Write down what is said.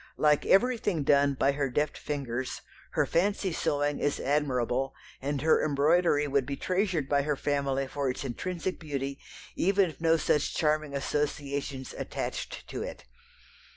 Like everything done by her deft fingers, her fancy sewing is admirable, and her embroidery would be treasured by her family for its intrinsic beauty even if no such charming associations attached to it.